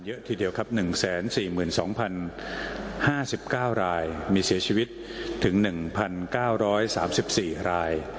เยอะทีเดียวครับ๑๔๒๐๕๙รายมีเสียชีวิตถึง๑๙๓๔ราย